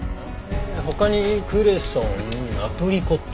他にクレソンアプリコット。